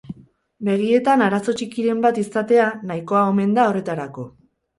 Begietan arazo txikiren bat izatea nahikoa omen da horretarako.